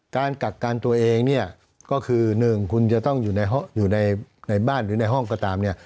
การกักกันตัวเองก็คือ๑คุณจะต้องอยู่ในบ้านหรือในห้องก็ตาม